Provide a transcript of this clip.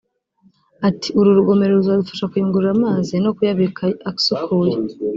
Ati “uru rugomero ruzadufasha kuyungurura amazi no kuyabika asukuye